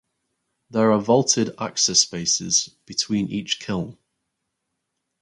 There are vaulted access spaces between each kiln.